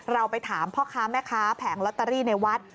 เราไปถามพ่อค้าแม่ค้าแผงลอตเตอรี่ในวัด